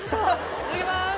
いただきます。